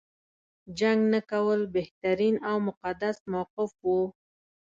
جنګ نه کول بهترین او مقدس موقف و.